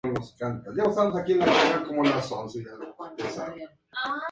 Posteriormente, su profesionalidad la llevaría a dirigir el Sector de Educación Preescolar No.